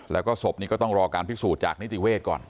แล้วก็ศพนี้ก็ต้องรอการพิสูจน์จากนิติเวศก่อน